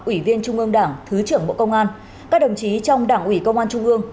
ủy viên trung ương đảng thứ trưởng bộ công an các đồng chí trong đảng ủy công an trung ương